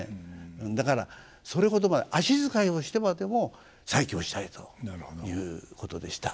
だからそれほどまで足遣いをしてまでも再起をしたいということでした。